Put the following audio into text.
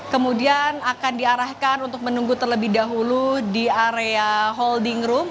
kemudian akan diarahkan untuk menunggu terlebih dahulu di area holding room